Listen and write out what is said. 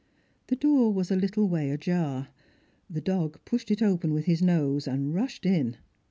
The door was a little way ajar ; the dog pushed it open with his nose, and rushed in.